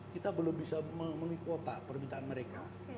kita belum bisa memenuhi kuota permintaan mereka